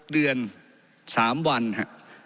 ๖เดือน๓วันค่ะ